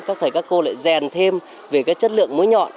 các thầy các cô lại dèn thêm về chất lượng mũi nhọn